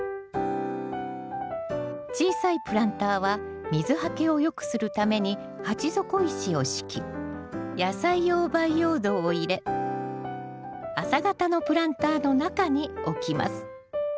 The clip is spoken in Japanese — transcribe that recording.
小さいプランターは水はけをよくするために鉢底石を敷き野菜用培養土を入れ浅型のプランターの中に置きます。